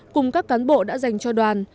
cùng các cán bộ đã dành cho đoàn